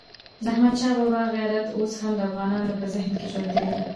د احمدشاه بابا غیرت اوس هم د افغانانو په ذهن کې ژوندی دی.